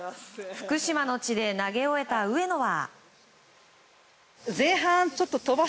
福島の地で投げ終えた上野は。